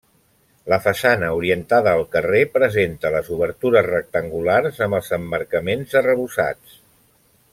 La façana orientada al carrer presenta les obertures rectangulars amb els emmarcaments arrebossats.